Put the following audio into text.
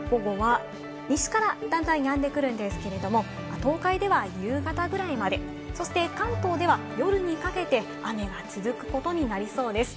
予想を見ていきますと、午後は西からだんだんやんでくるんですけれども東海では夕方ぐらいまで、そして関東では夜にかけて雨が続くことになりそうです。